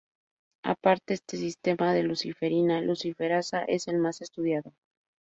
Aparte este sistema de luciferina-luciferasa es el más estudiado.